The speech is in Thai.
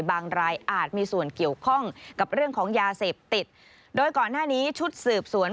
รายอาจมีส่วนเกี่ยวข้องกับเรื่องของยาเสพติดโดยก่อนหน้านี้ชุดสืบสวน